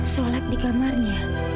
sholat di kamarnya